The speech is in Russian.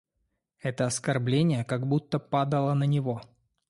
Это оскорбление как будто падало на него.